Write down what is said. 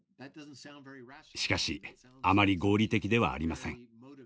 しかしあまり合理的ではありません。